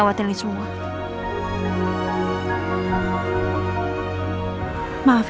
beli sembunyi cuma bikin kau ngeri